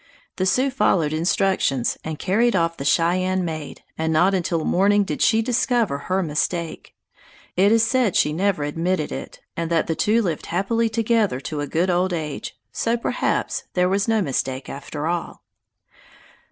The Sioux followed instructions and carried off the Cheyenne maid, and not until morning did she discover her mistake. It is said she never admitted it, and that the two lived happily together to a good old age, so perhaps there was no mistake after all.